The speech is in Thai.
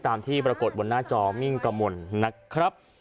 ตามที่ปรากฏบนหน้าจอมิ่งกระมวลนะครับ